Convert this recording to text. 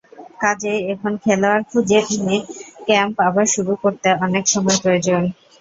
কাজেই এখন খেলোয়াড় খুঁজে এনে ক্যাম্প আবার শুরু করতে অনেক সময় প্রয়োজন।